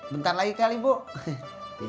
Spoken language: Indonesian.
bentar lagi kali mbak